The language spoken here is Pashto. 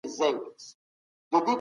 هغه د خدای ښار په نوم اثر وليکه.